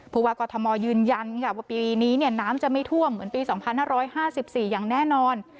ผู้ว่ากรทมยืนยันว่าปีนี้น้ำจะไม่ท่วมเหมือนปี๒๕๕๔อย่างแน่นอน